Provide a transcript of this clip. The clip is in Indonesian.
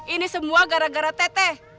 ini semua gara gara teteh